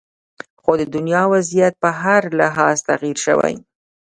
خو د دنیا وضعیت په هر لحاظ تغیر شوې